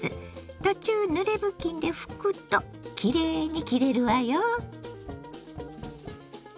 途中ぬれ布巾で拭くときれいに切れるわよ。